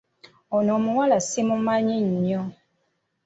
Ono omuwala simumanyi nnyo.